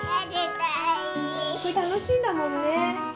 これたのしいんだもんね。